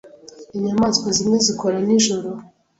Inyamaswa zimwe zikora nijoro.